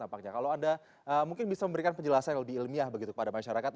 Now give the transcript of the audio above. nampaknya kalau anda mungkin bisa memberikan penjelasan yang lebih ilmiah begitu kepada masyarakat